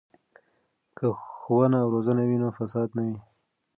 که ښوونه او روزنه وي نو فساد نه وي.